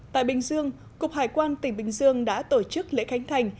tại bình dương cục hải quan tỉnh bình dương đã tổ chức lễ khánh thành